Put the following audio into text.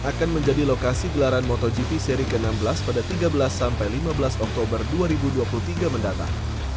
akan menjadi lokasi gelaran motogp seri ke enam belas pada tiga belas sampai lima belas oktober dua ribu dua puluh tiga mendatang